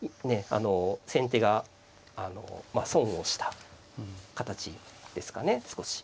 あの先手が損をした形ですかね少し。